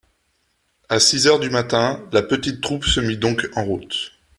À six heures du matin, la petite troupe se mit donc en route.